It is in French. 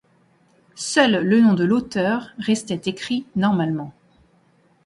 Seul le nom de l'auteur restait écrit normalement.